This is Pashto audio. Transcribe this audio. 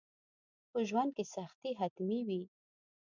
په ژوند کي سختي حتمي وي.